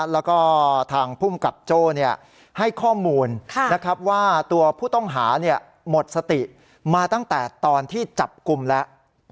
แล้วก็ทางภูมิกับโจ้ให้ข้อมูลว่าตัวผู้ต้องหาหมดสติมาตั้งแต่ตอนที่จับกลุ่มแล้ว